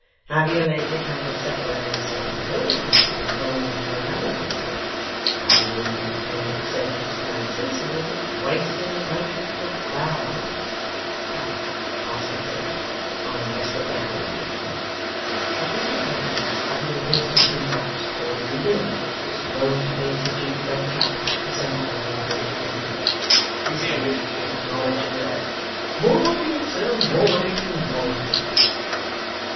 Have you lately come to settle in this neighbourhood, or do you own to another neighbourhood? Are you in independent circumstances, or is it wasting the motions of a bow on you? Come! I'll speculate! I'll invest a bow in you.' Which Mr Wegg, having replaced his tin box, accordingly did, as he rose to bait his gingerbread trap for some other devoted infant. The salute was acknowledged with: 'Morning, sir! Morning! Morning!